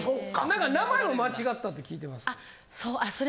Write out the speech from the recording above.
なんか名前も間違ったって聞いてましすけど。